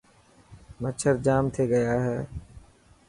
مڇر جام ٿي گيا هي.